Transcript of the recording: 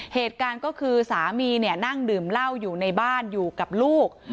เหตุการณ์ก็คือสามีเนี่ยนั่งดื่มเหล้าอยู่ในบ้านอยู่กับลูก